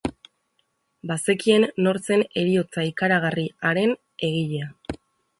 Bazekien nor zen heriotza ikaragarri haren egilea.